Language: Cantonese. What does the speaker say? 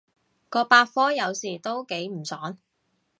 個百科有時都幾唔爽